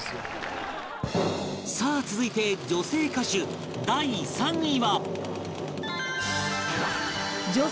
さあ続いて女性歌手第３位は